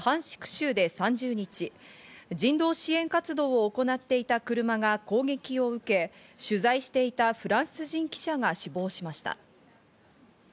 州で３０日、人道支援活動を行っていた車が攻撃を受け、取材していたフランス人記者が死亡しました。